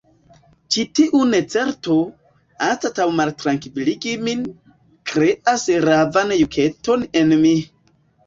Ĉi tiu necerto, anstataŭ maltrankviligi min, kreas ravan juketon en mi.